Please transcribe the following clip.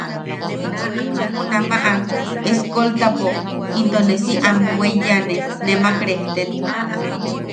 Junamaʼa eskoltapo into si am am yename nemak rejten.